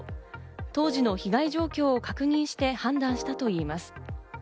当時の被害状況を確認して判断したといいます。